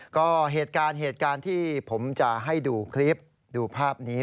ก็เหตุการณ์ที่ผมจะให้ดูคลิปดูภาพนี้